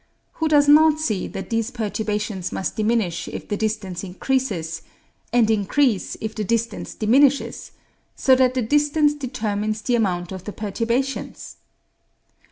Who does not see that these perturbations must diminish if the distance increases, and increase if the distance diminishes, so that the distance determines the amount of the perturbations?